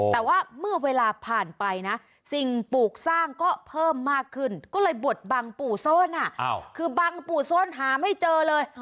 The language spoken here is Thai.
แต่ว่าเมื่อเวลาผ่านไปนะสิ่งปลูกสร้างก็เพิ่มมากขึ้นก็เลยบวชบังปู่ส้นคือบังปู่โซนหาไม่เจอเลย